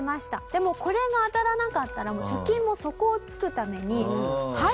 でもこれが当たらなかったら貯金も底をつくために。